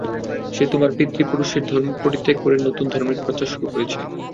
সে তোমার পিতৃপুরুষের ধর্ম পরিত্যাগ করে নতুন ধর্মের প্রচার শুরু করেছে।